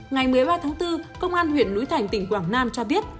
ngày một mươi ba tháng bốn công an huyện núi thành tỉnh quảng nam cho biết